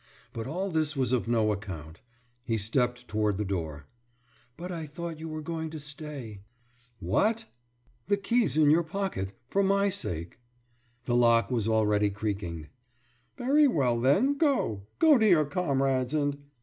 But all this was of no account. He stepped toward the door. »But I thought you were going to stay....« »What?« »The key's in your pocket for my sake.« The lock was already creaking. »Very well, then! Go ... go to your comrades and....